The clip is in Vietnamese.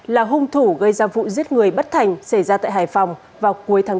là hung thủ gây ra vụ giết người bất thành xảy ra tại hải phòng vào cuối tháng bốn